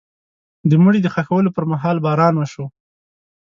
د مړي د ښخولو پر مهال باران وشو.